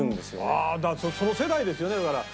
ああその世代ですよねだから。